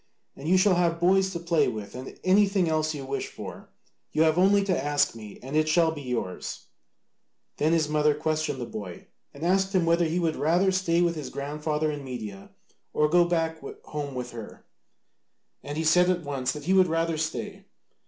And you shall have boys to play with and anything else you wish for: you have only to ask me and it shall be yours." Then his mother questioned the boy and asked him whether he would rather stay with his grandfather in Media, or go back home with her: and he said at once that he would rather stay.